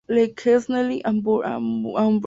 Le Quesnel-Aubry